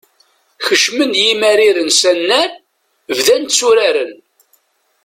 Kecmen yimariren s anrar, bdan tturaren.